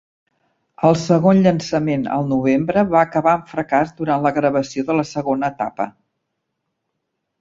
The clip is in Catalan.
El segon llançament al novembre va acabar amb fracàs durant la gravació de la segona etapa.